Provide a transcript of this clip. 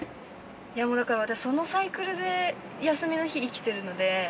いや、だから私そのサイクルで休みの日、生きてるので。